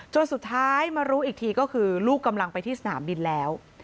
สุดท้ายมารู้อีกทีก็คือลูกกำลังไปที่สนามบินแล้ว